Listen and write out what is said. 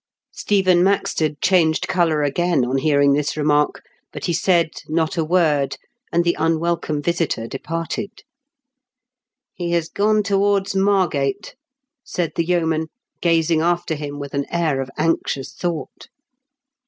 Stephen Maxted changed colour again on TEE KING'S PBES8. 281 hearing this remark, but he said not a word, and the unwelcome visitor departed. " He has gone towards Margate/' said the yeoman, gazing after him with an air of anxious thought.